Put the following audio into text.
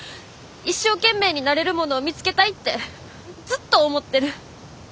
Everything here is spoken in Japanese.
一生懸命になれるものを見つけたいってずっと思ってる。